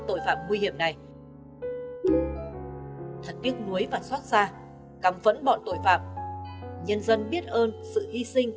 tội phạm nguy hiểm này thật tiếc nuối và xót xa gắm vẫn bọn tội phạm nhân dân biết ơn sự hy sinh